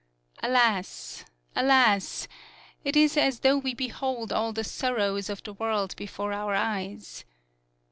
Alas! Alas! It is as though we behold all the sorrows of the world before our eyes.